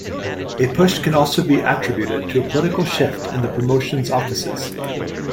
A push can also be attributed to a political shift in the promotion's offices.